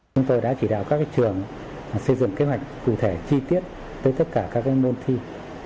chúng tôi đã chỉ đạo các trường xây dựng kế hoạch cụ thể chi tiết tới tất cả các môn thi